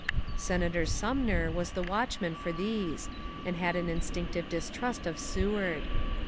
Senator Sumner was the watchman for these, and had an instinctive distrust of Seward.